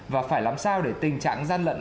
và phải làm sao để tình trạng gian lận